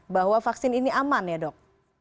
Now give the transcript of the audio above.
bahwa vaksin ini aman ya dok